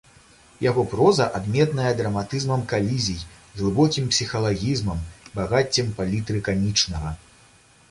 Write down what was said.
Яго проза адметная драматызмам калізій, глыбокім псіхалагізмам, багаццем палітры камічнага.